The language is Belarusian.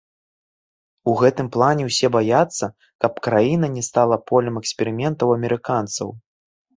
У гэтым плане ўсе баяцца, каб краіна не стала полем эксперыментаў амерыканцаў.